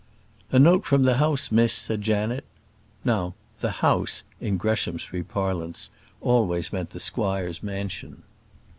"A note from the house, miss," said Janet: now "the house," in Greshamsbury parlance, always meant the squire's mansion.